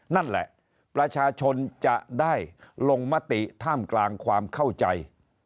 นั่นแหละประชาชนจะได้ลงมติท่ามกลางความเข้าใจ